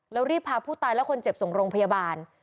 แล้วรีบพาผู้ตายและคนเจ็บส่งโรงพยาบาล